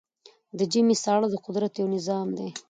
د ژمی ساړه د قدرت یو نظام دی.